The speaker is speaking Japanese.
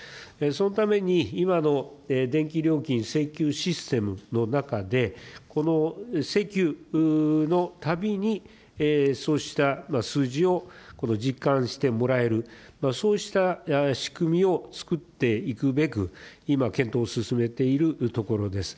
そのために、今の電気料金請求システムの中で、この請求のたびに、そうした数字をこの実感してもらえる、そうした仕組みをつくっていくべく、今検討を進めているところです。